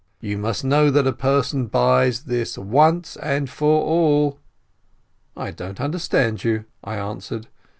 You must know that a person buys this once and for all." "I don't understand you," I answered.